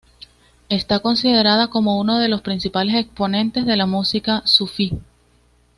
Está considerada como uno de los principales exponentes de la música sufí.